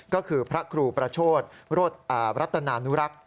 ก็คือพระครูประโชธรัตนานุรักษ์